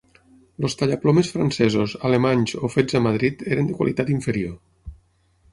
Els tallaplomes francesos, alemanys o fets a Madrid eren de qualitat inferior.